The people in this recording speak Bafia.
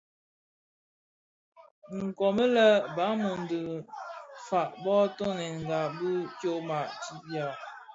Komid lè Balum dhi fag bō toňdènga bi tyoma ti bia.